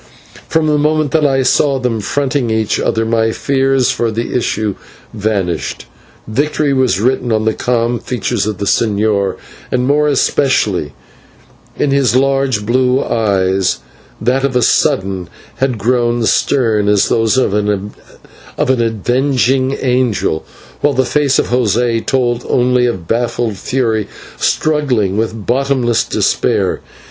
From the moment that I saw them fronting each other, my fears for the issue vanished. Victory was written in the calm features of the señor, and more especially in his large blue eyes, that of a sudden had grown stern as those of an avenging angel, while the face of José told only of baffled fury struggling with bottomless despair.